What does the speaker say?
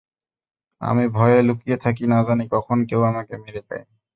আমি ভয়ে লুকিয়ে থাকি, না জানি কখন কেউ আমাকে মেরে দেয়।